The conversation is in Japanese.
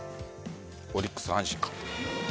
オリックス、阪神か。